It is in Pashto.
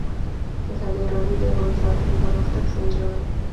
ازادي راډیو د حیوان ساتنه پرمختګ سنجولی.